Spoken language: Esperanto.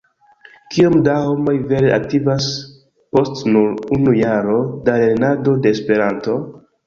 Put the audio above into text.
Kiom da homoj vere aktivas post nur unu jaro da lernado de Esperanto?